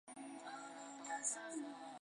科松河畔瓦讷人口变化图示